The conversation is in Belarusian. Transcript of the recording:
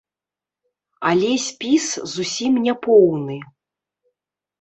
Але спіс зусім не поўны.